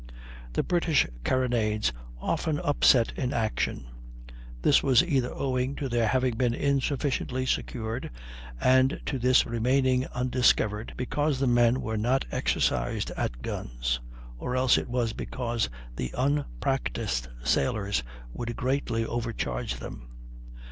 The British carronades often upset in action; this was either owing to their having been insufficiently secured, and to this remaining undiscovered because the men were not exercised at the guns, or else it was because the unpractised sailors would greatly overcharge them.